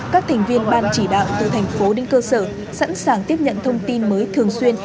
các thành viên ban chỉ đạo từ thành phố đến cơ sở sẵn sàng tiếp nhận thông tin mới thường xuyên